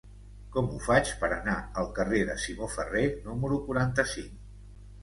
Com ho faig per anar al carrer de Simó Ferrer número quaranta-cinc?